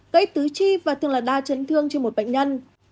gây tứ chi và thường là đa chấn thương cho một bệnh nhân